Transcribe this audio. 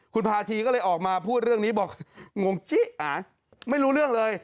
คุณพาธีก็เลยออกมาพูดเรื่องนี้บอกงงจิไม่รู้เรื่องเลย